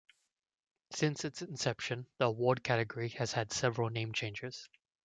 Since its inception, the award category has had several name changes.